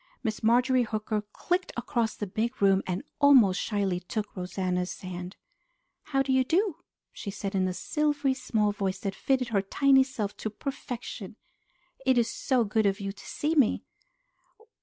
Miss Marjorie Hooker clicked across the big room and almost shyly took Rosanna's hand. "How do you do?" she said in a silvery, small voice that fitted her tiny self to perfection. "It is so good of you to see me!"